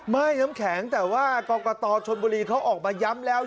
น้ำแข็งแต่ว่ากรกตชนบุรีเขาออกมาย้ำแล้ว